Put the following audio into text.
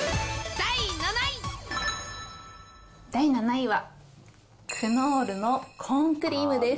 第７位は、クノールのコーンクリームです。